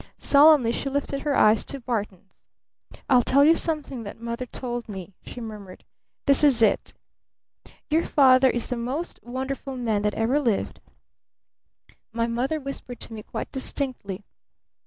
Solemnly she lifted her eyes to Barton's. "I'll tell you something that Mother told me," she murmured. "This is it: 'Your father is the most wonderful man that ever lived,' my mother whispered to me quite distinctly.